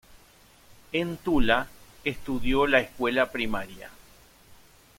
En Tula estudió la escuela primaria.